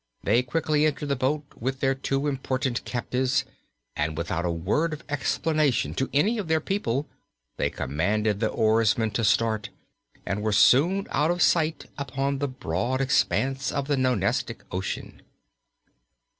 They quickly entered the boat with their two important captives and without a word of explanation to any of their people they commanded the oarsmen to start, and were soon out of sight upon the broad expanse of the Nonestic Ocean.